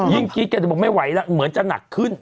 ยิ่งคิดกันแต่ผมไม่ไหวละเหมือนจะหนักขึ้น